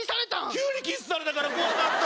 急にキスされたから怖かった！